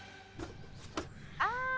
ああ！